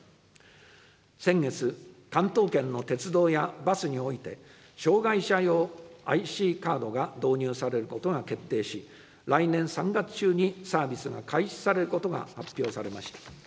先月、関東圏の鉄道やバスにおいて、障害者用ＩＣカードが導入されることが決定し、来年３月中にサービスが開始されることが発表されました。